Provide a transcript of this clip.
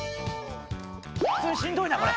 普通にしんどいなこれ。